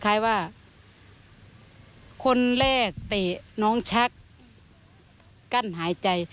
คล้ายว่าคนแรกเตะน้องชักกั้นหายใจ